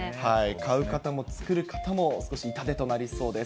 買う方も作る方も少し痛手となりそうです。